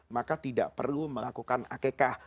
maka tidak perlu melakukan akekah